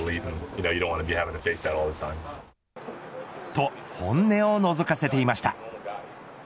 と本音をのぞかせていました。